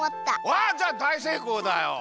わっじゃあだいせいこうだよ！